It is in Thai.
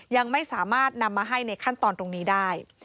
ยังไม่สามารถนำมาให้ในขั้นตอนตรงนี้ได้